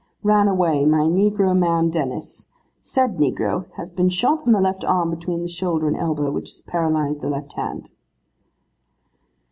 'Ran away, my negro man Dennis. Said negro has been shot in the left arm between the shoulder and elbow, which has paralysed the left hand.